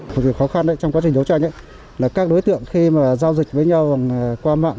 phục hồi khó khăn trong quá trình đấu tranh là các đối tượng khi mà giao dịch với nhau qua mạng